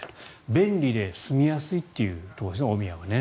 便利で住みやすいというところですね、大宮はね。